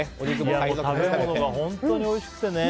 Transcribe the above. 食べ物が本当においしくてね。